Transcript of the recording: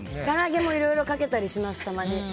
から揚げもいろいろかけたりします、たまに。